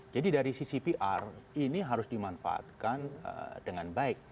jadi dari sisi pr ini harus dimanfaatkan dengan baik